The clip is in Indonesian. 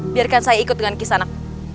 biarkan saya ikut dengan kisanak